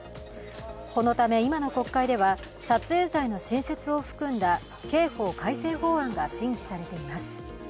このため今の国会では撮影罪の新設を含んだ刑法改正法案が審議されています。